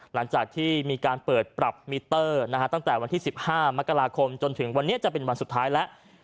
หลังจากที่มีการเปิดปรับมิเตอร์ตั้งแต่วันที่๑๕มกราคมจนถึงวันนี้จะเป็นวันสุดท้ายแล้ว